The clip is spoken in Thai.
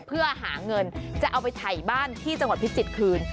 เพื่อหาเงินจะเอาไปถ่ายบ้านที่จังหวัดพิจิตรคืน